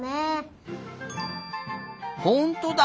ほんとだ。